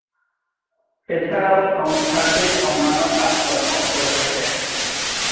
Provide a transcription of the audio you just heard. এছাড়াও সংস্থাটি অন্যান্য কাজ-কর্ম করে থাকে।